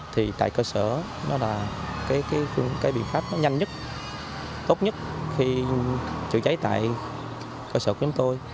thì tại cơ sở đó là cái biện pháp nó nhanh nhất tốt nhất khi chữa cháy tại cơ sở của chúng tôi